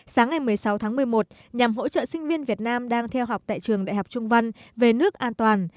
sáng ngày một mươi sáu tháng một mươi một nhằm hỗ trợ sinh viên việt nam đang theo học tại trường đại học trung văn về nước an toàn